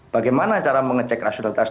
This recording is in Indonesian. bagaimana cara mengecek rasionalitas